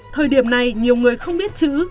thời điểm này nhiều người không biết chữ